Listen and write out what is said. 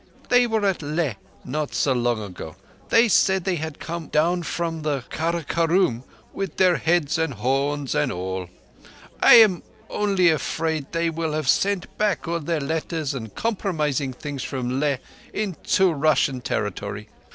They were at Leh not so long ago. They said they had come down from the Karakorum with their heads and horns and all. I am onlee afraid they will have sent back all their letters and compromising things from Leh into Russian territoree.